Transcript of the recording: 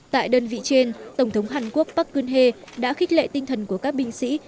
tại đơn vị trên tổng thống hàn quốc park kun he đã khích lệ tinh thần của các binh sĩ